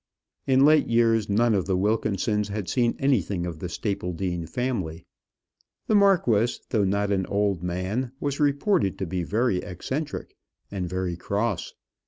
In late years none of the Wilkinsons had seen anything of the Stapledean family. The marquis, though not an old man, was reported to be very eccentric, and very cross.